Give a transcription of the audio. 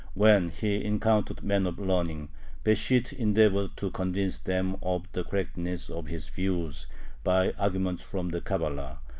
When he encountered men of learning, Besht endeavored to convince them of the correctness of his views by arguments from the Cabala.